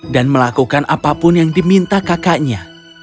dan melakukan apapun yang diminta kakaknya